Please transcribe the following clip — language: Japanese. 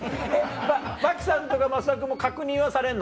真木さんとか増田君も確認はされるの？